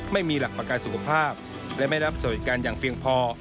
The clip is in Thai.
ไม่มีหลักประกันสุขภาพและไม่รับสวัสดิการอย่างเพียงพอ